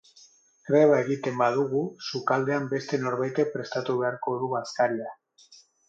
Greba egiten badugu, sukaldean beste norbaitek prestatu beharko du bazkaria.